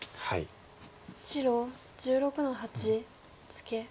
白１６の八ツケ。